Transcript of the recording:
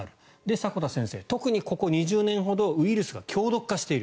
迫田先生は特にここ２０年程ウイルスが強毒化している。